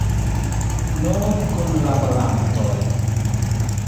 Nur kunlaborantoj.